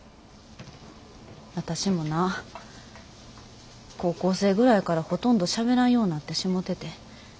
私もな高校生ぐらいからほとんどしゃべらんようになってしもうてて。